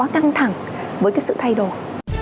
chăng thẳng với cái sự thay đổi